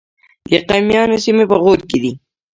د ایماقانو سیمې په غور کې دي